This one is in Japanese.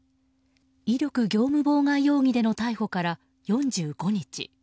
威力業務妨害容疑での逮捕から４５日。